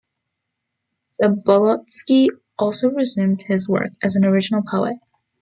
Zabolotsky also resumed his work as an original poet.